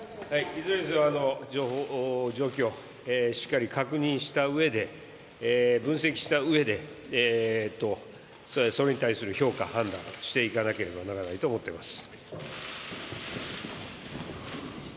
いずれにせよ状況をしっかり確認したうえで、分析したうえで、それに対する評価判断をしていかなければならないと思っています。